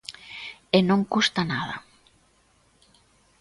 E non custa nada.